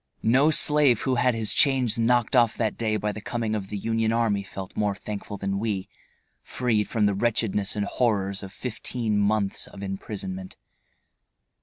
No slave who had his chains knocked off that day by the coming of the Union army felt more thankful than we, freed from the wretchedness and horrors of fifteen months of imprisonment.